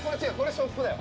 ショップだよ。